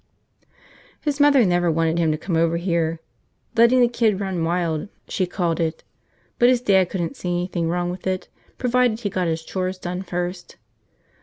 His mother never wanted him to come over here –letting the kid run wild, she called it – but his dad couldn't see anything wrong with it, provided he got his chores done first.